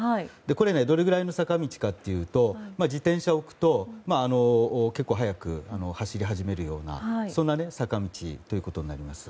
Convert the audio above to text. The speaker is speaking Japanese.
これ、どれくらいの坂道かというと、自転車を置くと結構速く走り始めるような坂道になります。